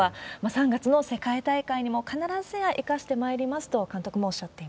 ３月の世界大会にも必ずや生かしてまいりますと監督もおっしゃっ